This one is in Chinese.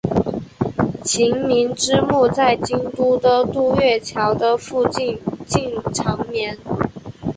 晴明之墓在京都的渡月桥的附近静静长眠。